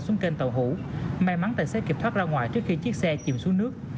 xuống kênh tàu hủ may mắn tài xế kịp thoát ra ngoài trước khi chiếc xe chìm xuống nước